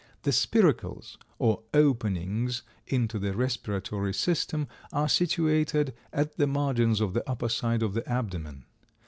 The spiracles, or openings into the respiratory system, are situated at the margins of the upper side of the abdomen.